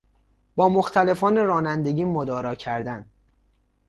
با متخلفان رانندگی مدارا کردن